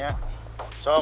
jalan aja dulu aja